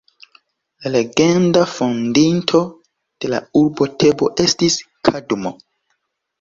La legenda fondinto de la urbo Tebo estis Kadmo.